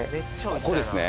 ここですね